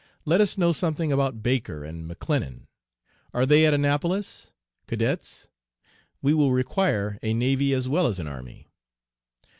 Let us know something about Baker and McClennan. Are they at Annapolis? Cadets? (We will require a navy as well as an army.)